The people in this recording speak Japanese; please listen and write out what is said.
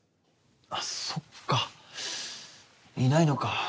あっそっかいないのか。